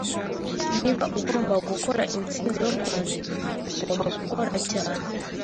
Niba ugomba gukora intsinzi yo kwandika, ugomba gukora cyane.